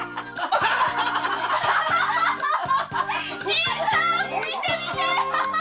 新さん見て見て！